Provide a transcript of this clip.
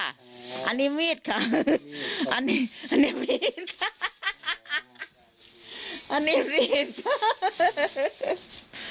อันนี้มีดค่ะอันนี้อันนี้มีดค่ะอันนี้อันนี้มีด